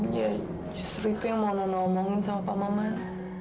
ya justru itu yang mau nona omongin sama pak maman